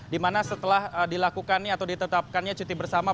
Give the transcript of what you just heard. di mana setelah dilakukannya atau ditetapkannya cuti bersama